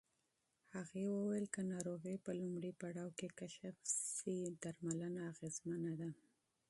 هغې وویل که ناروغي په لومړي پړاو کې کشف شي، درملنه اغېزمنه ده.